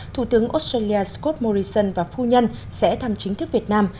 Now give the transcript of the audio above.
thủ tướng australia scott morrison và phu nhân sẽ thăm chính thức việt nam